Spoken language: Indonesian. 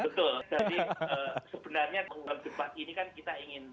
sebenarnya dalam debat ini kan kita ingin